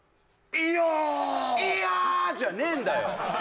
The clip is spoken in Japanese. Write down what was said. いやあ「いやあ」じゃねえんだよ